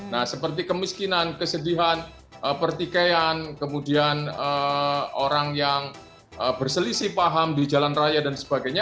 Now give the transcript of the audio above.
nah seperti kemiskinan kesedihan pertikaian kemudian orang yang berselisih paham di jalan raya dan sebagainya